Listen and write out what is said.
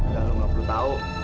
udah lo nggak perlu tahu